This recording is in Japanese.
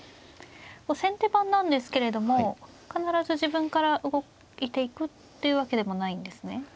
先手番なんですけれども必ず自分から動いていくっていうわけでもないんですね。